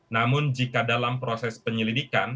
namun jika dalam proses penyelidikan